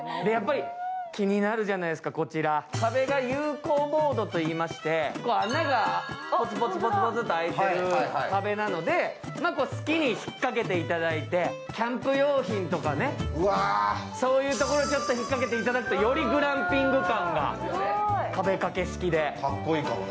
気になるじゃないですか、壁が有孔ボードといいまして穴がポツポツとあいている壁なので、好きに引っかけていただいて、キャンプ用品とかそういうところを引っ掛けていただくと、よりグランピング感が壁掛け式で。